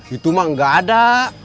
itu bang ga ada